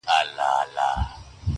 لا به تر څو د کربلا له تورو.!